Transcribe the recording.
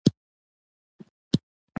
استاد د سختیو سره مقابله کوي.